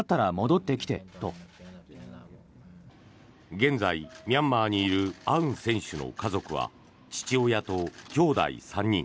現在、ミャンマーにいるアウン選手の家族は父親ときょうだい３人。